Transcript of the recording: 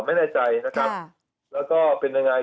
ไม่แน่ใจนะครับแล้วก็เป็นยังไง